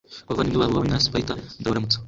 ku bavandimwe babo b'abanyasiparita. ndabaramutsa